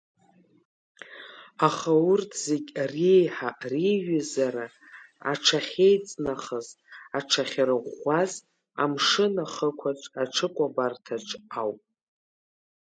Аха урҭ зегь реиҳа реиҩызара аҽахьеиҵнахыз, аҽахьарӷәӷәаз амшын ахықәаҿ аҽыкәабарҭаҿ ауп.